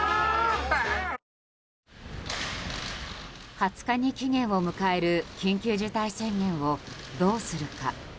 ２０日に期限を迎える緊急事態宣言をどうするか。